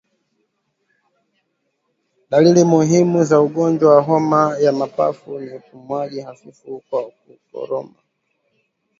Dalili muhimu za ugonjwa wa homa ya mapafu ni upumuaji hafifu kwa kukoroma